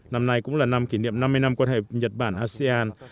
năm nay cũng là năm kỷ niệm năm mươi năm quan hệ nhật bản asean